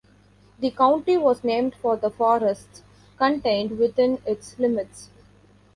The county was named for the forests contained within its limits.